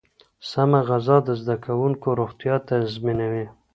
سمه غذا د زده کوونکو روغتیا تضمینوي.